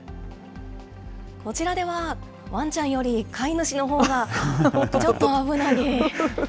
こちらでは、わんちゃんより飼い主のほうが、ちょっと危なげ。